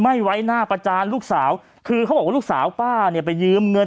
ไม่ไว้หน้าประจานลูกสาวคือเขาบอกว่าลูกสาวป้าเนี่ยไปยืมเงิน